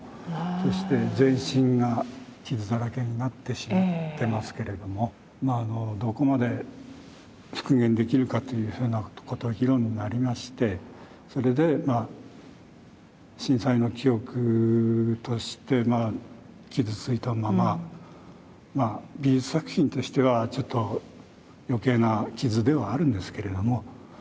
そして全身が傷だらけになってしまってますけれどもどこまで復元できるかというふうなことが議論になりましてそれで震災の記憶として傷ついたまままあ美術作品としてはちょっと余計な傷ではあるんですけれども。